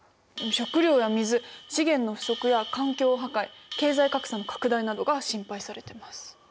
食料や水資源の不足や環境破壊経済格差の拡大などが心配されてます。